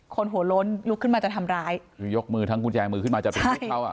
คนหัวล้นลุกขึ้นมาจะทำร้ายคือยกมือทั้งกุญแจมือขึ้นมาจะไปช่วยเขาอ่ะ